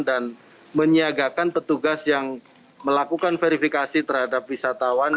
dan menyiagakan petugas yang melakukan verifikasi terhadap wisatawan